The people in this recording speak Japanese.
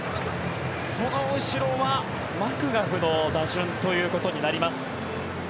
その後ろはマクガフの打順ということになります。